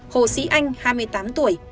hồ sĩ anh hai mươi tám tuổi